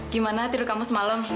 gimana tidur kamu semalam